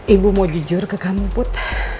ibu mau jujur ke kamu put